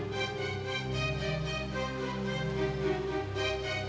tapi kenapa sih ma